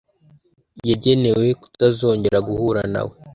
Yagenewe kutazongera guhura na we.